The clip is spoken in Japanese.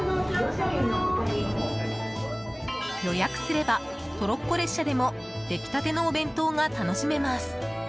予約すれば、トロッコ列車でも出来立てのお弁当が楽しめます。